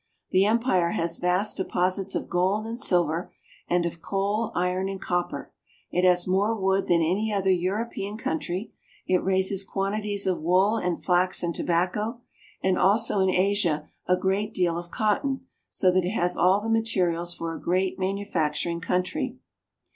The empire has vast deposits of gold and silver, and of coal, iron, and copper ; it has more wood than any other European country; it raises quantities of wool and flax and tobacco, and also in Asia a great deal of cotton, so that it has all the materials for a great manu facturing country.